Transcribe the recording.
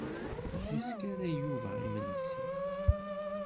Yeskaray Yuba imensi.